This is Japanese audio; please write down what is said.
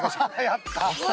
やった！